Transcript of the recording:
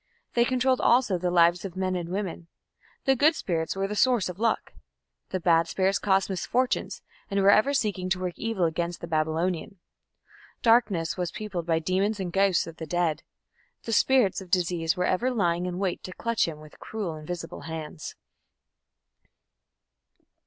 They controlled also the lives of men and women. The good spirits were the source of luck. The bad spirits caused misfortunes, and were ever seeking to work evil against the Babylonian. Darkness was peopled by demons and ghosts of the dead. The spirits of disease were ever lying in wait to clutch him with cruel invisible hands.